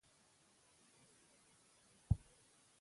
او په خوند یې زمزمې کولې.